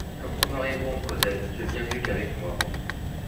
Comme ton mari est bon, Cosette! tu es bien mieux qu’avec moi.